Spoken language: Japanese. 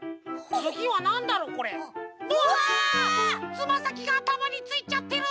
つまさきがあたまについちゃってる！